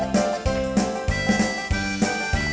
น้องเป็นซาวเทคนิคตาคมพมยาว